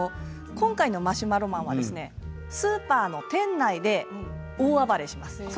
今回のマシュマロマンはスーパーの店内で大暴れします。